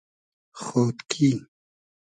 خۉدکی